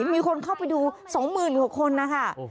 มีคนเข้าไปดู๒๐๐๐กว่าคนนะคะ